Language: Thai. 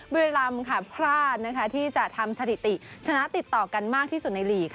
บุรีรำพลาดที่จะทำสถิติชนะติดต่อกันมากที่สุดในลีก